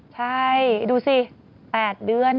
ใช่ดูสิ๘เดือน